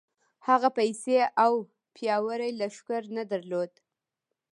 هغه پيسې او پياوړی لښکر نه درلود.